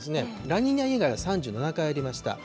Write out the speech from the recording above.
ラニーニャ以外は３７回ありました。